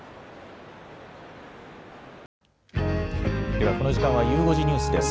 ではこの時間はゆう５時ニュースです。